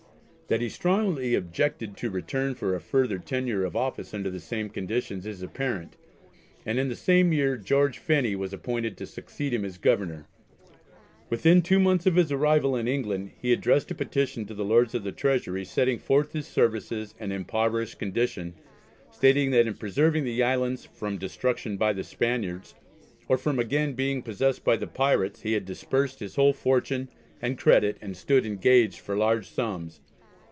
That he strongly objected to return for a further tenure of office under the same conditions is apparent, and in the same year George Phenney was appointed to succeed him as Governor. Within two months of his arrival in England, he addressed a petition to the Lords of the Treasury setting forth his services and impoverished condition, stating that in preserving the islands "from destruction by the Spaniards, or from again being possessed by the pirates, he had disbursed his whole fortune, and credit, and stood engaged for large sums.